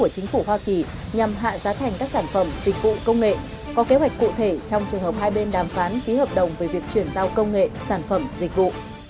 công nghệ có kế hoạch cụ thể trong trường hợp hai bên đàm phán ký hợp đồng về việc chuyển giao công nghệ sản phẩm dịch vụ